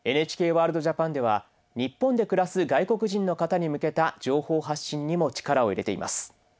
ＮＨＫＷＯＲＬＤＪＡＰＡＮでは日本で暮らす外国人の方に向けた情報発信にも力を入れています。